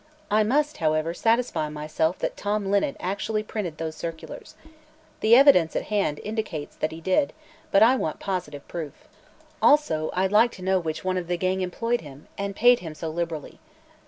"I must, however, satisfy myself that Tom Linnet actually printed those circulars. The evidence at hand indicates that he did, but I want positive proof. Also, I'd like to know which one of the gang employed him and paid him so liberally.